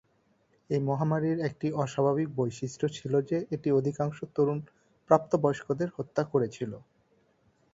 এই মহামারীর একটি অস্বাভাবিক বৈশিষ্ট্য ছিল যে এটি অধিকাংশ তরুণ প্রাপ্তবয়স্কদের হত্যা করেছিল।